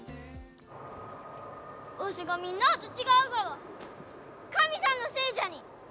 わしが、みんなあと違うがは神さんのせいじゃに！